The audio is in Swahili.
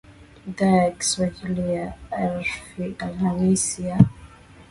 dhaa ya kiswahili ya rfi alhamisi ya